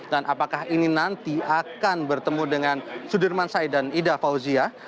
dan apakah ini nanti akan bertemu dengan sudirman said dan ida fauzia